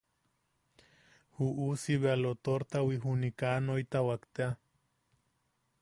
Ju uusi bea lotortawi juni kaa noitawak tea.